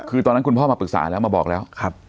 คือตอนนั้นคุณพ่อมาปรึกษาแล้วมาบอกแล้ว